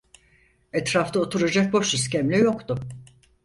Etrafta oturacak boş iskemle yoktu.